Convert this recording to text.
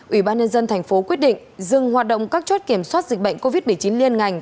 ủy ban nhân dân thành phố quyết định dừng hoạt động các chốt kiểm soát dịch bệnh covid một mươi chín liên ngành